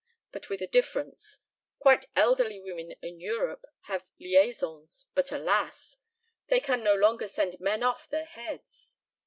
But with a difference! Quite elderly women in Europe have liaisons, but alas! they can no longer send men off their heads.